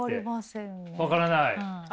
分からない？